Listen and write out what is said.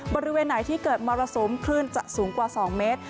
บริเวณไหนที่เกิดมรสุมคลื่นจะสูงกว่า๒เมตร